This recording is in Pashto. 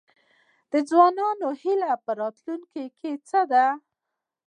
د ځوانانو هیله په راتلونکي څه ده؟